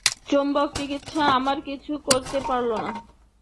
চৌম্বক চিকিৎসা আমার কিছু করতে পারল না।